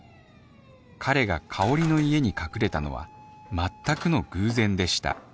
彼が香の家に隠れたのは全くの偶然でした。